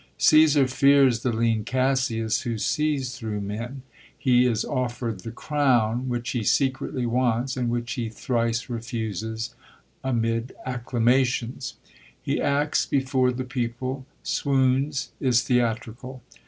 CsBsar fears the lean Cassius who sees thru men. He is ofPerd the crown, which he secretly wants, and which he thrice refuses amid acclamations. He acts before the people, swoons, is theatrical.